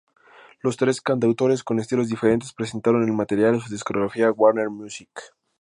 Los tres cantautores con estilos diferentes, presentaron el material a su discográfica Warner Music.